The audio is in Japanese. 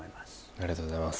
ありがとうございます